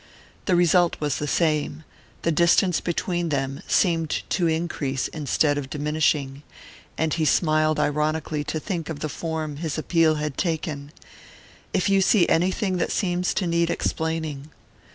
The result was the same: the distance between them seemed to increase instead of diminishing; and he smiled ironically to think of the form his appeal had taken "If you see anything that seems to need explaining."